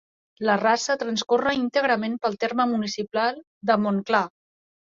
La rasa transcorre íntegrament pel terme municipal de Montclar.